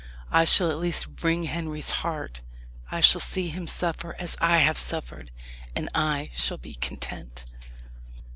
I shall at least wring Henry's heart. I shall see him suffer as I have suffered; and I shall be content."